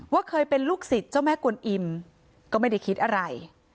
เคยเป็นลูกศิษย์เจ้าแม่กวนอิ่มก็ไม่ได้คิดอะไร